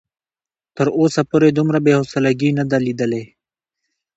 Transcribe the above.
تر اوسه پورې دومره بې حوصلګي نه ده ليدلې.